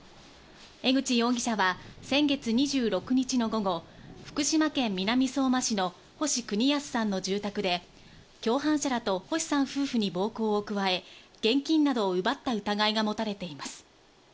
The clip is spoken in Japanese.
江口容疑者は先月２６日の午後、福島県南相馬市の星邦康さんの住宅で、共犯者らと星さん夫婦に暴行を加え、現金などを奪った疑いが持たれています。